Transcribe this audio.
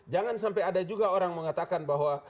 jangan sampai ada juga orang mengatakan bahwa